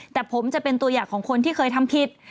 แต่ผมจะเป็นตัวอย่างของคนที่เคยทำผิด